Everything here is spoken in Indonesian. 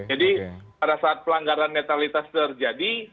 jadi pada saat pelanggaran netralitas terjadi